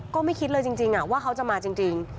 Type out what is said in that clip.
ก็ไม่คิดเลยจริงว่าเขาจะมาจริง